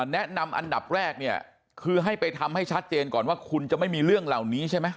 แนะนำอันดับแรกเนี่ยคือให้ไปทำให้ชัดเจนก่อนว่าคุณจะไม่มีเรื่องเหล่านี้ใช่ไหม